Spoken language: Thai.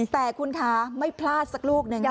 แต่คุณคะไม่พลาดสักลูกหนึ่ง